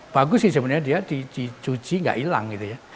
bagus sih sebenarnya dia dicuci nggak hilang gitu ya